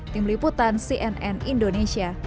tim liputan cnn indonesia